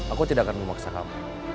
aku tidak akan memaksa kamu